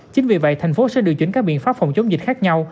chính vì vậy thành phố sẽ điều chỉnh các biện pháp phòng chống dịch khác nhau